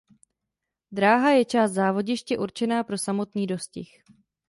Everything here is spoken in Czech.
Dráha je část závodiště určená pro samotný dostih.